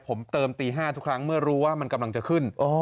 ผมเติมตี๕ทุกครั้งเมื่อรู้ว่ามันกำลังจะขึ้น